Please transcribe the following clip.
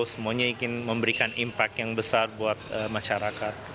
semuanya ingin memberikan impact yang besar buat masyarakat